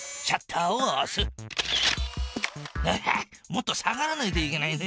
もっと下がらないといけないな。